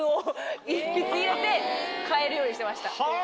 入れて帰るようにしてました。